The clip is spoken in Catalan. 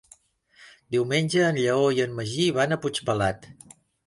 Diumenge en Lleó i en Magí van a Puigpelat.